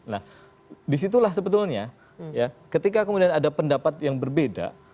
nah disitulah sebetulnya ya ketika kemudian ada pendapat yang berbeda